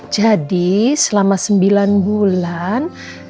jadi selama sembilan bulan